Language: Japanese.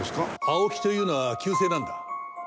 青木というのは旧姓なんだ。